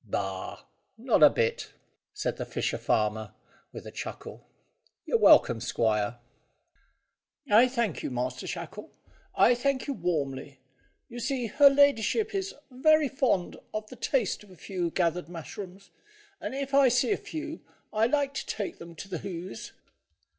"Bah! Not a bit," said the fisher farmer, with a chuckle. "You're welcome, squire." "I thank you, Master Shackle I thank you warmly. You see her ladyship is very fond of the taste of a fresh gathered mushroom, and if I see a few I like to take them to the Hoze."